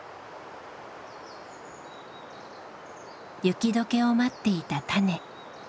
雪どけを待っていた種。